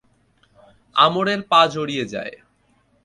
আমরের পা জড়িয়ে যায়।